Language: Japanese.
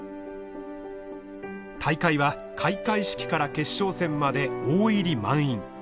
大会は開会式から決勝戦まで大入り満員。